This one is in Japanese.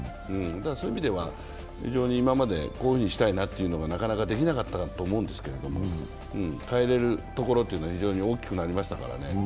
そういう意味では非常に今間までこういうふうにしたいというところがなかなかできなかったと思うんですけれども、変えれるところが非常に大きくなりましたからね。